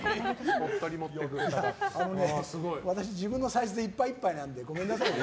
私、自分のサイズでいっぱいいっぱいなのでごめんなさいね。